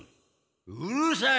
うるさい！